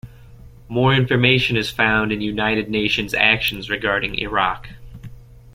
More information is found in United Nations actions regarding Iraq.